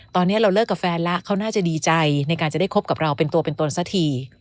ตอนนี้เราเลิกกับแฟนแล้วเขาน่าจะดีใจในการจะได้คบกับเราเป็นตัวเป็นตนสักที